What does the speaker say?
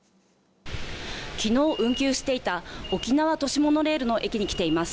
きのう運休していた沖縄都市モノレールの駅に来ています。